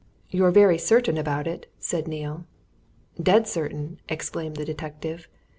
"You're very certain about it," said Neale. "Dead certain!" exclaimed the detective.